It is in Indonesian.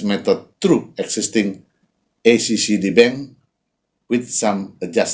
melalui bank accd yang wujud